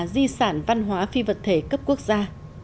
di sản văn hóa phi vật thể cấp quốc gia